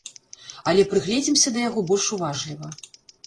Але прыгледзімся да яго больш уважліва.